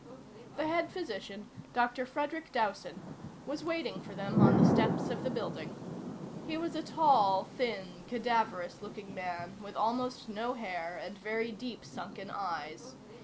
The head physician, Dr. Frederic Dowson, was waiting for them on the steps of the building. He was a tall, thin, cadaverous looking man with almost no hair and very deep sunken eyes.